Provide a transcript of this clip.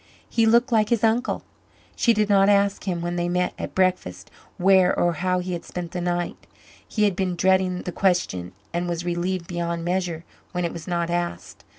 He looked like his uncle. She did not ask him, when they met at breakfast, where or how he had spent the night. He had been dreading the question and was relieved beyond measure when it was not asked.